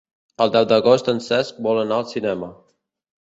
El deu d'agost en Cesc vol anar al cinema.